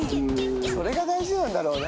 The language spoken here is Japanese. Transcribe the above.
それが大事なんだろうな。